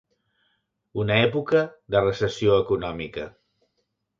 Una època de recessió econòmica.